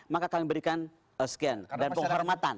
maka kami berikan scan dan penghormatan